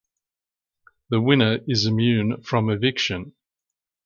The winner is immune from eviction.